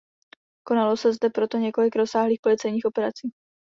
Konalo se zde proto několik rozsáhlých policejních operací.